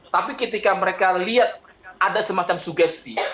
tapi ketika mereka lihat ada semacam sugesti